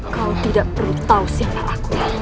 kau tidak perlu tau siapa aku